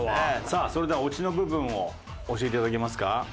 さあそれではオチの部分を教えていただけますか？